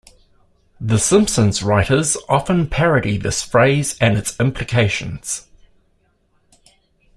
"The Simpsons" writers often parody this phrase and its implications.